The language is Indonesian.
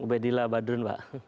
ubaidillah badrun pak